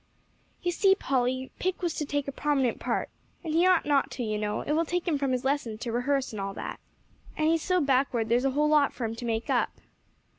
"You see, Polly, Pick was to take a prominent part, and he ought not to, you know; it will take him from his lessons to rehearse and all that. And he's so backward there's a whole lot for him to make up."